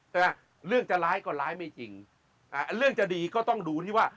เรื่องจะร้ายก็ร้ายไม่จริงอ่าเรื่องจะดีก็ต้องดูที่ว่า